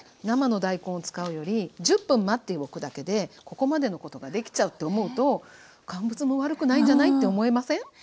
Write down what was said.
生の大根を使うより１０分待っておくだけでここまでのことができちゃうって思うと乾物も悪くないんじゃない？って思えません？